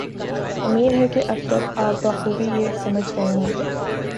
امید ہے کہ اب تک آپ بخوبی یہ سمجھ گئے ہوں گے